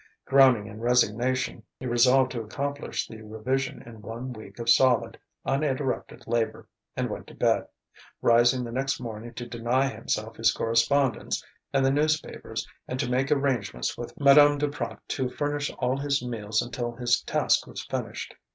Groaning in resignation, he resolved to accomplish the revision in one week of solid, uninterrupted labour, and went to bed, rising the next morning to deny himself his correspondence and the newspapers and to make arrangements with Madame Duprat to furnish all his meals until his task was finished.